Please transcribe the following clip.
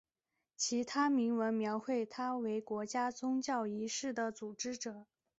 其他铭文描绘他为国家宗教仪式的组织者。